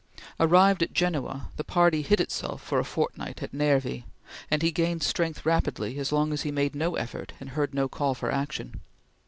Arrived at Genoa, the party hid itself for a fortnight at Nervi, and he gained strength rapidly as long as he made no effort and heard no call for action.